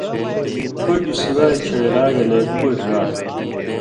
ہُگیۡ سُگائ چُن٘ڑیۡرا گلے پوریۡ رال